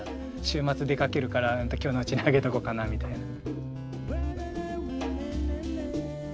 週末出かけるから今日のうちにあげとこうかなみたいな。